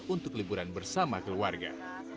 untuk liburan bersama keluarga